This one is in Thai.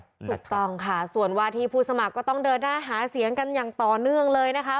ถูกต้องค่ะส่วนวาทีผู้สมัครก็ต้องเดินหน้าหาเสียงกันอย่างต่อเนื่องเลยนะคะ